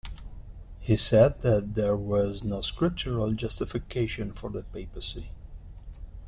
He said that there was no scriptural justification for the papacy.